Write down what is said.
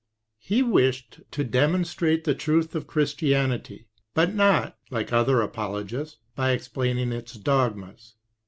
He wished to demon strate the truth of Christianity, but not, like other apologists, by explaining its dogmas.